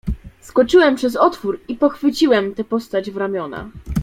"Skoczyłem przez otwór i pochwyciłem tę postać w ramiona."